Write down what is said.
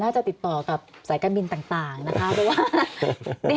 น่าจะติดต่อกับสายการบินต่างนะครับ